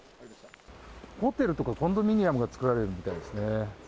ホテルとかコンドミニアムが作られるみたいですね。